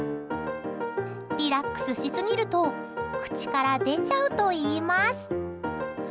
リラックスしすぎると口から出ちゃうといいます。